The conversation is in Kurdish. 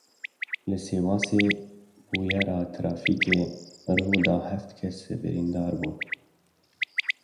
Li Sêwasê bûyera trafîkê rû da heft kes birîndar bûn.